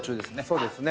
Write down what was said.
そうですね。